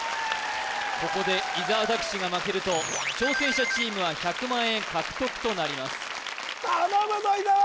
ここで伊沢拓司が負けると挑戦者チームは１００万円獲得となります頼むぞ伊沢！